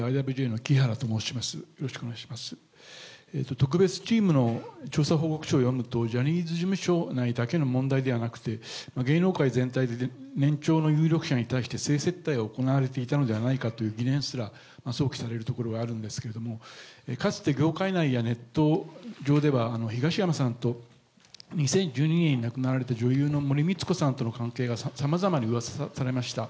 特別チームの調査報告書を読むと、ジャニーズ事務所内だけの問題ではなくて、芸能界全体で年長の有力者に対して、性接待が行われていたのではないかという疑念すら想起されるところがあるんですけれども、かつて業界内やネット上では東山さんと２０１２年に亡くなられた女優の森光子さんとの関係がさまざまにうわさされました。